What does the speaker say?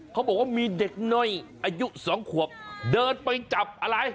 เขาบอกว่ามีเด็กน้อยอายุ๒ขวบเดินไปจับอะไร